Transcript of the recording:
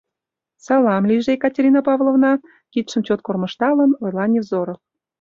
— Салам лийже, Екатерина Павловна! — кидшым чот кормыжталын, ойла Невзоров.